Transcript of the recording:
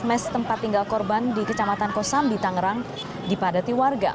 mes tempat tinggal korban di kecamatan kosambi tangerang dipadati warga